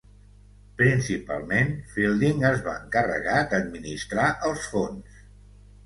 Principalment, Fielding es va encarregar d'administrar els fons.